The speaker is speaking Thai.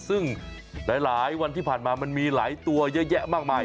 ซึ่งหลายวันที่ผ่านมามันมีหลายตัวเยอะแยะมากมาย